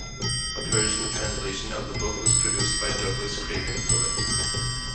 A Persian translation of the book was produced by Douglas Craven Phillott.